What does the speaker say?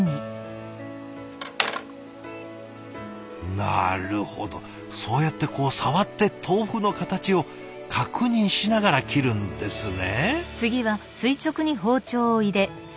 なるほどそうやってこう触って豆腐の形を確認しながら切るんですね。